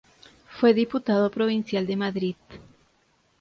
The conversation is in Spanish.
Fue diputado provincial de Madrid.